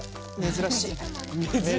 珍しい。